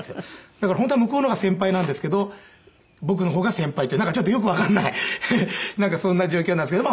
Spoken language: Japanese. だから本当は向こうの方が先輩なんですけど僕の方が先輩というちょっとよくわかんないなんかそんな状況なんですけど。